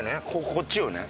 こっちよね多分。